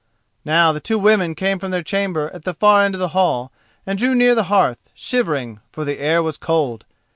Now the two women came from their chamber at the far end of the hall, and drew near the hearth, shivering, for the air was cold.